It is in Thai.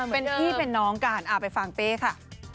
เป็นพี่เป็นน้องกันไปฟังเป้ค่ะ